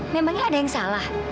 memangnya ada yang salah